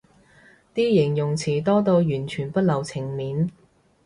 啲形容詞多到完全不留情面